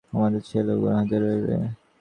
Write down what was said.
মানে, আমাদের ছেলেও গুহাতেই রয়েছে।